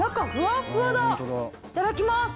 いただきます。